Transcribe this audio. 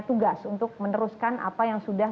tugas untuk meneruskan apa yang sudah